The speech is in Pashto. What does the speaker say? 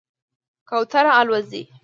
کوتره الوځي.